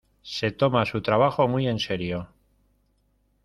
Se toma su trabajo muy en serio.